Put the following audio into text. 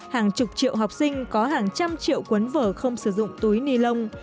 hàng chục triệu học sinh có hàng trăm triệu cuốn vở không sử dụng